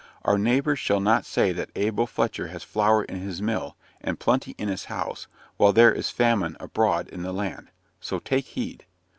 Our neighbours shall not say that Abel Fletcher has flour in his mill, and plenty in his house, while there is famine abroad in the land. So take heed."